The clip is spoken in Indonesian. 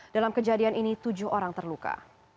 dalam kejadian ini tujuh orang terluka